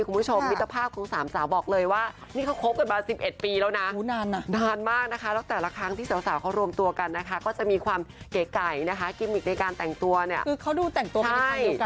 คุณผู้ชมมิตรภาพของสามสาวบอกเลยว่า